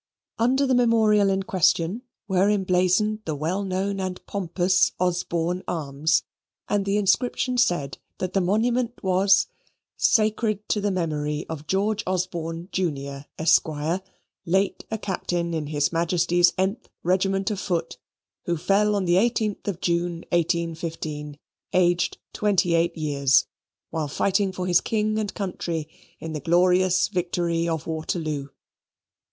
Under the memorial in question were emblazoned the well known and pompous Osborne arms; and the inscription said, that the monument was "Sacred to the memory of George Osborne, Junior, Esq., late a Captain in his Majesty's th regiment of foot, who fell on the 18th of June, 1815, aged 28 years, while fighting for his king and country in the glorious victory of Waterloo.